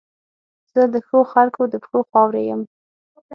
زه د ښو خلګو د پښو خاورې یم.